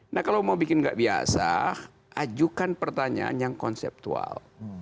nah kalau mau bikin nggak biasa ajukan pertanyaan yang konseptual